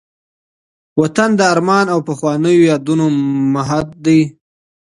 وطن د ارمان او پخوانيو یادونو مهد دی.